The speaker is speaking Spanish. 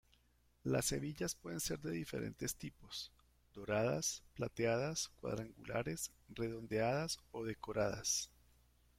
Las hebillas pueden ser de diferentes tipos: doradas, plateadas, cuadrangulares, redondeadas o decoradas.